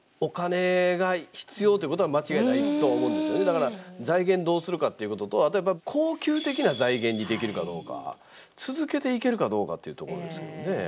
だから、財源をどうするかっていうことと恒久的な財源にできるかどうか続けていけるかどうかっていうところですよね。